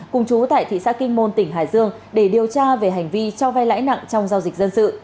cùng chú tại thị xã kinh môn tỉnh hải dương để điều tra về hành vi cho vay lãi nặng trong giao dịch dân sự